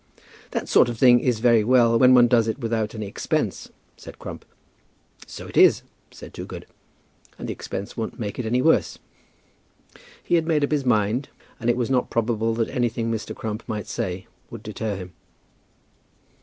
"That sort of thing is very well when one does it without any expense," said Crump. "So it is," said Toogood; "and the expense won't make it any worse." He had made up his mind, and it was not probable that anything Mr. Crump might say would deter him.